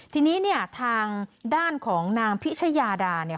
ทีนี้เนี่ยทางด้านของนางพิชยาดาเนี่ย